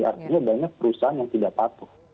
artinya banyak perusahaan yang tidak patuh